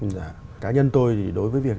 dạ cá nhân tôi thì đối với việt nam